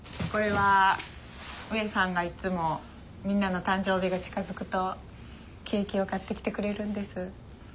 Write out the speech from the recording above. これはウエさんがいっつもみんなの誕生日が近づくとケーキを買ってきてくれるんです。